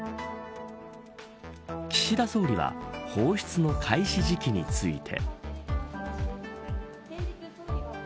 岸田総理は放出の開始時期について。